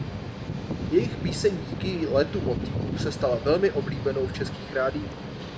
Jejich píseň Díky letu motýlů se stala velmi oblíbenou v českých rádiích.